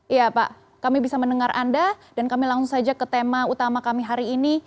iya pak kami bisa mendengar anda dan kami langsung saja ke tema utama kami hari ini